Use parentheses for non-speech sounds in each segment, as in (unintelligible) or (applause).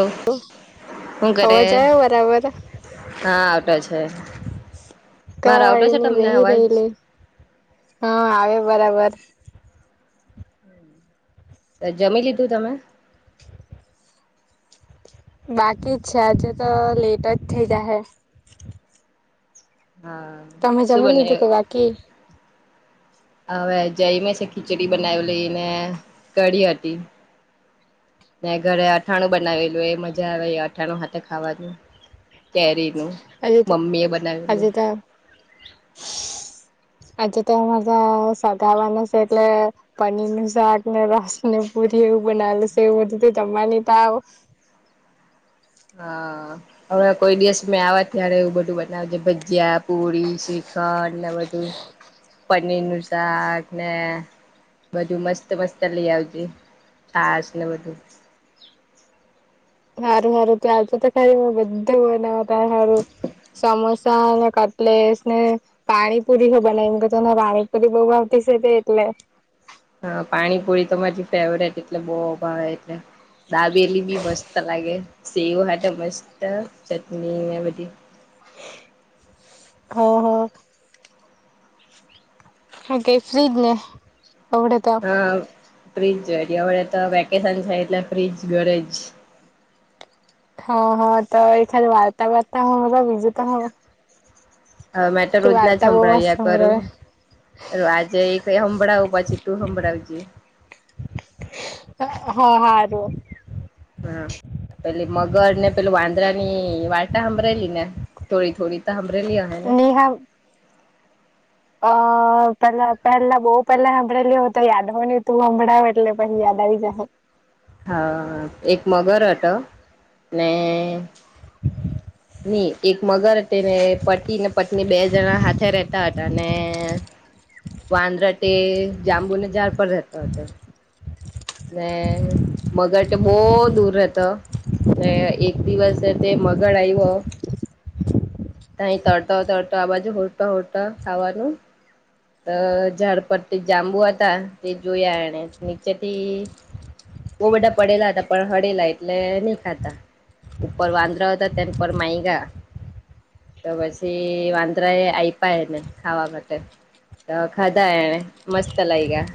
ઓ, હું કરે? અવાજ આવ્યો બરાબર હા આવો છે. મારો કઈ આવતો છે નઈ તમને બેહી અવાજ રઈલી હાવ આવે. બરાબર, જમી લીધું તમે બાકી જ છે આજે તો લેટ જ થઇ જાહે. હા તમે શું જમી લીધું કે બનાયવું બાકી હવે જઈમે છે ખીચડી બનાવીલી ને કઢી હતી. ને ઘરે અથાણું બનાવેલું એ મજા આવે અથાણું હાથે ખાવાનું કેરી નું આજે તો મમ્મી એ આજે બનાવેલું. તો આજે તો (unintelligible) સધાવાના છે એટલે પનીર નું શાક ને રસ ને એવું પૂરી એવું બનાવેલું સે (unintelligible) જમાની તા આવ (inaudible) હા હવે કોઈ દિવસ મેં આવે ત્યારે એવું બધું બનાવજે ભજીયા પુરી શી ખંડ ને બધું પનીર નું શાક ને બધું મસ્ત મસ્ત લઈ આવજે છાશ ને બધું હારું હારું તું આવજે તો ખરી મેં બધું બનાવા તારા હારું સમોસા ને કટલેસ ને પાણીપુરી હો બનાઈ મુકા તને પાણીપુરી બો ભાવતીસે તે એટલે (inaudible) હા પાણીપુરી તો મારી ફેવરેટ એટલે બો ભાવે એટલે દાબેલી બી મસ્ત લાગે. સેવ હાટે મસ્ત ચટણી ને બધી હા હા. ઓકે ફ્રી જને અવડેતો હા ફ્રીજ વરી અવળે તો વેકેશન છે એટલે ફ્રીજ ઘરે જ. હા હા તો એકાદ વાર્તા બાર્તા હમભડાવ બીજું તો હું હ મેં તો તું રોજ ના જ વાર્તા બહુ મસ્ત હભળાવ્યા કરું. સંભળાવે અ આજે એક હભળાવું પછી તું હભળાવજે. હા હારુ. હા. પેલી મગર ને પેલ વાંદરા ની વાર્ટા સાંભળેલી ને થોડી થોડી હાંભડેલી અહે ને નેહા અ પેલા પહેલા બો પહેલા હાભળેલી હોય તો યાદ હો ની તું હભળાવ એટલે પહિ યાદ આવી જાહે (inaudible) હા એક મગર હતો ને ની એક મગર તેને પતિ ને પત્ની બે જણા હાથે રેતા હતા ને વાંદરો તે જાંબુના ઝાડ પર રહેતો હતો. ને મગર તો બો દૂર રેતો ને એક દિવસે તે મગર આવ્યો તહી તરતો તરતો આ બાજુ હોધતો હોધતો ખાવાનું. તો ઝાડ પરથી જાંબુ હતા તે જોયા એને નીચેથી બો બધા પડેલા હતા પણ હળેલા એટલે ની ખાધા ઉપર વાંદરા હતા તેન પર માયગા તો પછી વાંદરા એ આયપા એને ખાવા માટે તો ખાધા એને મસ્ત લાયગા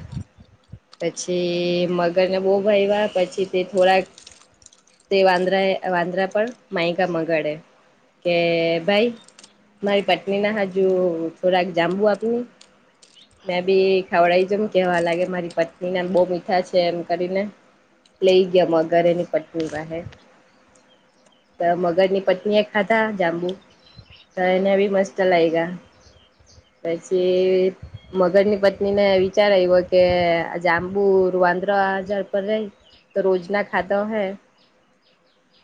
પછી મગરને બહુ ભાઈવા પછી તે થોડાક તે વાંદરાએ વાંદરા પણ માયગા મગડે કે ભાઈ મારી પત્ની ના હાજુ થોરાક જાંબુ આપની. મેં બી ખાવડાઈ જોમ કેવા લાગે મારી પત્ની નેમ બો મીઠા છે એમ કરીને લઈ ગીયો મગર એની પટની પાહે તો મગરની પત્ની એ ખાધા જાંબુ તો એને બી મસ્ત લાયગા પછી મગર ની પત્ની ને વિચાર્યો કે આ જાંબુ વાંદરા જાતા નઈ ત રોજના ખાતા ઓહે.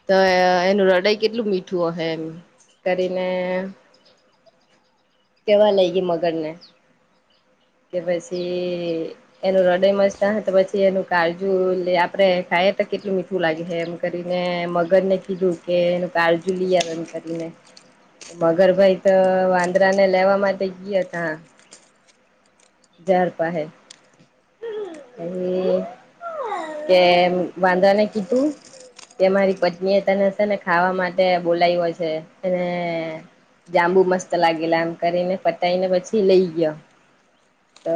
તો એનું રડાઈ કેટલું મીઠું અહે એમ કરીને. કેવા લઈ ગઈ મગર ને. કે પછી એનું હૃદય મસ્ત ઓહે તો પછી એનું કાળજુ આપડે ખા એ તો કેટલું મીઠું લાગે હે એમ કરીને મગર ને કીધું કે એનું કળજુ લી આવ એમ કરીને. મગરભાઈ તો વાંદરા ને લેવા માટે ગયા તા. ઝાડ પાહે પહી. કે વાંદરાને કીધું. તે મારી પત્ની એ તને છે ને ખાવા માટે બોલાય્વો છે અને જાંબુ મસ્ત લાગેલા એમ કરીને પતાઈને પછી લઈ ગયો. તો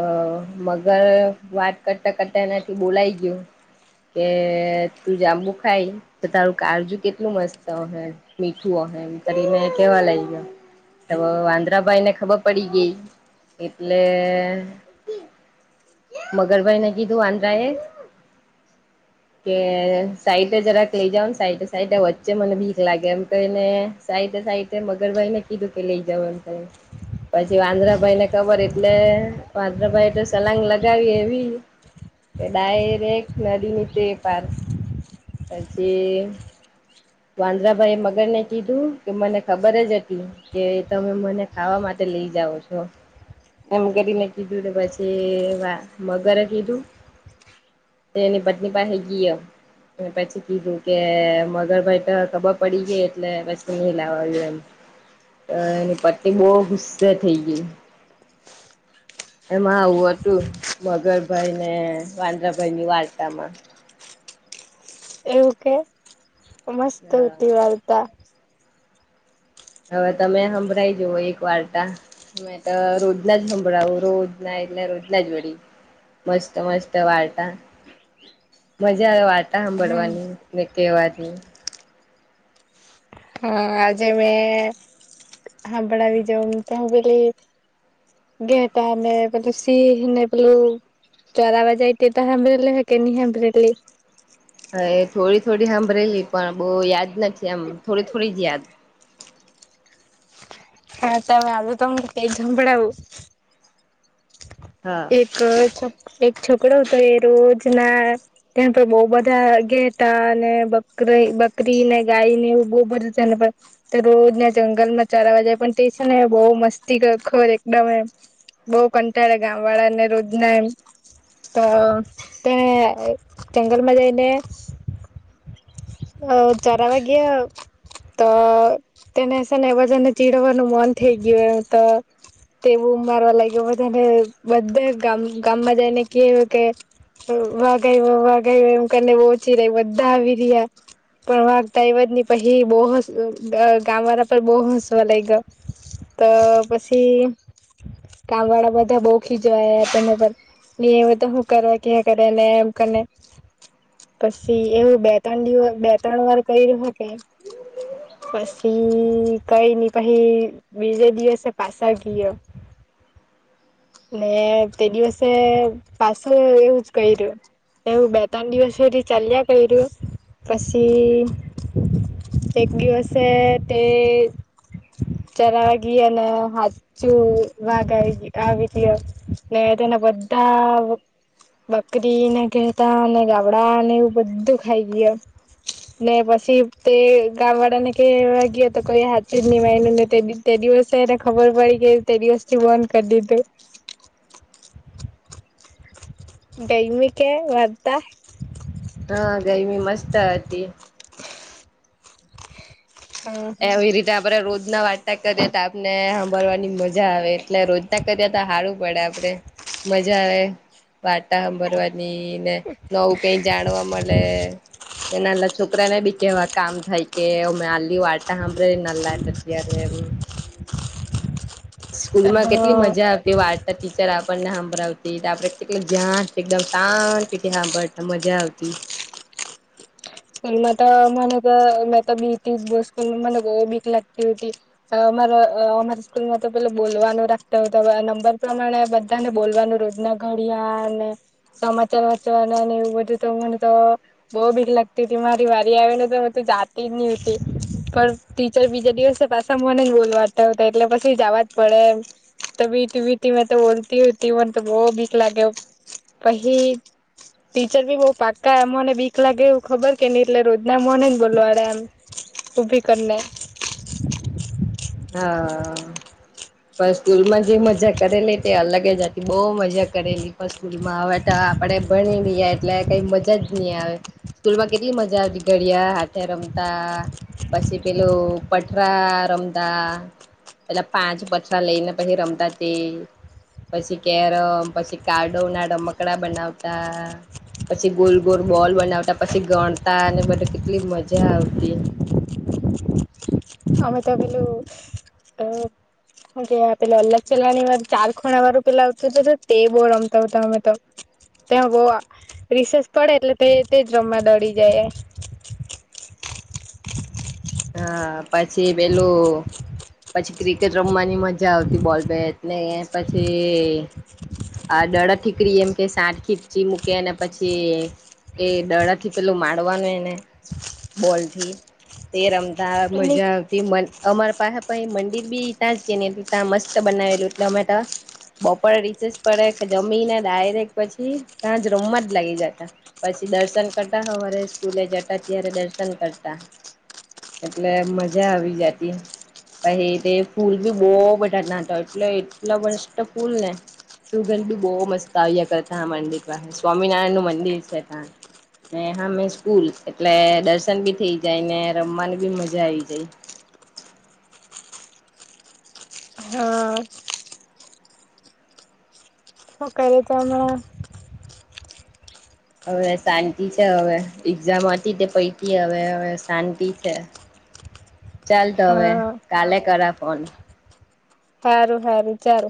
મગર વાત કરતા કરતા એનાથી બોલાઈ ગયું. કે તું જાંબુ ખાઈ તો તારું કાળજુ કેટલું મસ્ત હશે મીઠું અ એમ કરી ને કેવા લાયગો. તો વાંદરાભાઈ ને ખબર પડી ગઈ એટલે મગરભાઈ ને કીધું વાંદરા એ કે સાઈડે જરાક લઈ જાવ ને સાઈડે સાઈડે વચ્ચે મને બીક લાગે એમ કરીને સાઈ ડે સાઈડે મગરભાઈ ને કીધું કે લઈ જાવ એમ કરીને પછી વાંદ્રા ભાઈ ને ખબર. એટલે વાંદરાભાઈ તો સલાંગ લગાવી એવી. એ ડાયરેક્ટ નદી ની તે પાર પછી. વાંદરાભાઈ એ મગરને કીધું કે મને ખબર જ હતી કે તમે મને ખાવા માટે લઈ જાઓ છો. એમ કરીને કીધું કે પછી વા મગરે કીધું. તે એની પત્ની પાસે ગીયો ને પછી કીધું કે મગરભાઈ તે ખબર પડી ગઈ એટલે પછી ની લાવાયું એમ. એની પત્ની બો ગુસ્સે થઇ ગઈ. એમાં આવું હતું મગરભાઈ ને વાંદરાભાઈ ની વાર્તામાં. એવું કે મસ્ત હા હતી વાર્તા. હવે તમે હંભરાવી જવો એક વાર્તા મેં તો રોજ ના જ હંભળાવું રોજના એટલે રોજના જ વડી મસ્ત મસ્ત વાર્તા. મજા આવે વાર્તા હા હાંભળવાની ને કેવાની. હા આજે મેં હાંભળાવી જોમ તમે બધી. ઘેટાં ને બધું સિંહ ને પેલી. ચરાવાજાય તે તો હાંબરેલી હે કે ની હાંબરેલી હાએ થોડી થોડી હાંબરેલી પણ બો યાદ નથી એમ થોડી થોડી જ યાદ. (inaudible) હા તમે આવે તો હું તેજ હંભળાવું. હા એક છ એક છોકરો હતો એ રોજ ના તેના પર બો બધા ઘેટાં અને બકરી બકરીને ગાય નેવું બો બધા ચાલપા તે રોજનાં જંગલ ના ચારવા જાય પણ તે છે ને બોવ મસ્તી ખોર (unintelligible) બો કંટાળે ગામ વાળાને રોજ ના એમ. તો તે જંગલમાં જઈને અ ચરાવા ગયા. તો તેને શે ને બધાને ચીડવાનું મન થઈ ગયું એમ તો તે બુમ મારવા લાગ્યું બધાને બધા ગામ ગામમાં જઈને કેય કે વાઘ આયવો વાઘ આયવો એમ કરીને બોવ ચીરે બધા આવી રિયા. પણ વાગ તો આયવો જ ની પહી બો હસ ત ગામ વાળા પર બો હસવા લાયગો. તો પછી કામ વાળા બધા બો ખીજવાયા તેના પર ની આયો તો હું કરવા કેયા કરેને એમ કરી. પછી એવું બે ત્રણ દિવસ બે ત્રણ વાર કયરુ હું કે. પછી કઈ ની પહી બીજે દિવસે પાછા ગીયો. (unintelligible) ને તે દિવસે પાછો એવું જ ક રહ્યું એવું બે ત્રણ દિવસ સુધી ચાલ્યા કર્યું પછી ટેગગશે તે ચરા એનું હચુ વાગ આવી ને તેના બધા બકરીને ઘેતા અને ગબડા ને એવું બધું ખાઈ ગય ને પછી તે ગામ વાળા ને ક વા ગયો તો કોઈ હાથ જ વાયને દિવસે એને ખબર પડી કે તે દિવસથી બંધ કરી દીધું દૈમિક વતા હા ગરમી મસ્ત હતી હા હા એવી રીતે આપણેે રોજના વાર્તા કરીએ ને સાંભરવાની મજા આવે એટલે રોજતા કર્યા તો હારું પડે આપડે મજા આવે વાટા હભરવા ને નવું કઈ જાણવા મળે નાના છોકરાને બી કેવા કામ થઈ કે અ વાતાા સાંભળ નલ અત્યારે સ્કૂલ માં કેટલી હા મજા આવતી વાર્તા ટીચર આપણને સાંભળાવતા આપડે કેટલું ધ્યા એકમ શા સાંભળતા મજા આવતી (unintelligible) સ્કૂલમાં તો મને તો મે તો બી સ્કૂલ મને બીક લાગતી હતી અમારા સ્કૂલમાં તો પે બોલવાનું રાખતા હોય નંબર પ્રમાણે બધાને બોલવાનું રોજ ના ઘડિયા અને સમાચાર વાચવા એવું બધું તો મને તો બહ ભીક લાગ મારી વારી આવે ને તો હ તું જાતી જ નહતી પણ ટીચર બીજા દિવસે પાછા મને બોલવાતાતા એટલે પછી જવા જ પડે એમ તો બી ત બીતી મેં તો બોલતી હતી મને તો બહ વીિક લાગે પહી ટીચર બી બહ પાકા એમને વીિક લાગે ખબર કે નહ એટલે રોજ ના મોને જ બોલવાડે એમ ઊભી કરીને હા પણ સ્કૂલ માં જે મજા કરેલી તે અલગ જ હતી બહ મજા કરેલી પણ સ્કૂલમાં આ આપણે ભણી રહએ એટલે કઈ મજા જ નહી આવે સ્કૂલમાં કેટલી મજા બીગળ્યા હાથે રમતા પછી પેલું પઠરા રમ પેલા પાંચ પછા લઈને પછી રમતા તે પછી કેરમ પછી કાડોના ડ મકડા બનાવતા પછી ગોલ ગોલ બોલ બનાવતા પછી ગણતા અને બધા કેટલી મજા આવતી (inaudible) અમે તો પેલું અ કે પેલા અલ્ગ ચલાની વાર ચાર ખૂણા વારું પેલા આવતું હતું તે બહ રમતા હતા અમે તો ત્યાં બહ રિસર્ચ પડે એટલે તે જ રમવા દડી જાય (inaudible) હા પછી પેલું પછી ક્રિકેટ રમવાની મજા આવતી બોલ બેટ ને પછી આ દળ ઠીકરી એમ કે સાઠ ખીચી મૂકે અને પછી એ ડડા થી પેલું મારવાનું એને બોલ થી તે રમતા મજા આવતી મન અમારે પાસે મંદિર બી ત્યાં જ કે એ ત્યાં મસ્ત બનાવેલું એટલે અમે ત બપોરે રીસેસ પડે જમીને ડાયરેક પછી ત્યાં જ રમ જ લાગી જતા પછી પછી દર્શન કરતા હોવારે સ્કૂલે જતા ત્યારે દર્શન કરતા એટલે મજા આવી જાતી પછ ફૂલ બી બહ બધા નાતો એટલે એટલા બષ ફૂલ ને સુગંધ બી બહુ મસ્ત આવ્યા કરતા મંદિર પાસે સ્વામિનારાયણ નું મંદિર છે ત હા મે સ્કૂલ એટલે દર્શન બી થઈ જાય ને રમવાની બી મજા આવી જાય. હા શું કરે તો હમણા? હવે શાંતિ છે. હવે એક્ઝામ હતી તે પતી, હવે હવે શાંતિ છે. ચાલ, તો હવે હા કાલે કરા ફોન. સારું, સારું, ચાલ.